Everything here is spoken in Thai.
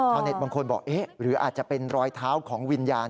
ชาวเน็ตบางคนบอกหรืออาจจะเป็นรอยเท้าของวิญญาณ